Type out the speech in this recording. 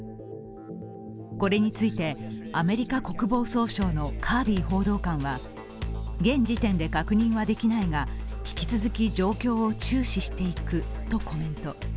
これについて、アメリカ国防総省のカービー報道官は現時点で確認はできないが、引き続き状況を注視していくとコメント。